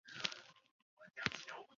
口鼻部的骨头非常修长。